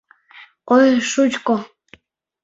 Ой, шучко...